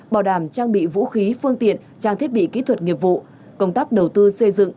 bảo đảm trang bị vũ khí phương tiện trang thiết bị kỹ thuật nghiệp vụ công tác đầu tư xây dựng